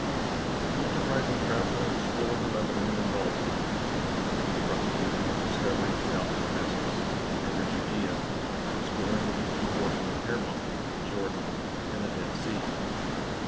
The enterprising traveller explored the Lebanon and Baalbek. He prosecuted his discoveries south of Damascus, and entered Judea, exploring the eastern portion of Hermon, the Jordan, and the Dead Sea.